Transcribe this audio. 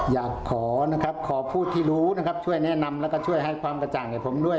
อยากขอนะครับขอผู้ที่รู้นะครับช่วยแนะนำแล้วก็ช่วยให้ความกระจ่างให้ผมด้วย